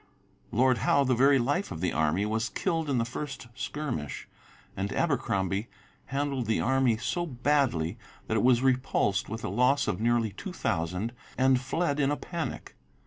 Lord Howe, the very life of the army, was killed in the first skirmish, and Abercromby handled the army so badly that it was repulsed with a loss of nearly two thousand, and fled in a panic.